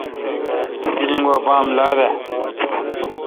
تی گیجین گوا بام لا دہ۔